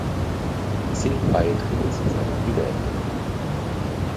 Zehn Beiträge zu seiner Wiederentdeckung.